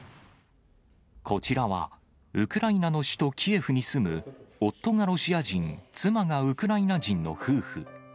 こちらは、ウクライナの首都キエフに住む夫がロシア人、妻がウクライナ人の夫婦。